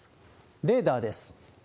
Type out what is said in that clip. レーダーです。